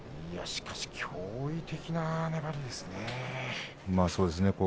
しかし驚異的な粘りですね。